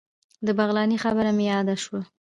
د بغلاني خبره مې رایاده شوه.